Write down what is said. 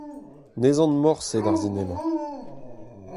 Ne'z an morse d'ar sinema.